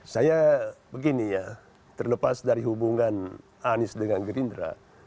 saya begini ya terlepas dari hubungan anies dengan gerindra